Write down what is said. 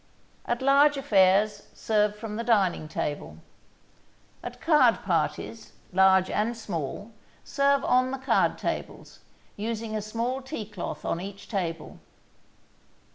At large affairs, serve from the dining table. At card parties, large and small, serve on the card tables, using a small tea cloth on each table.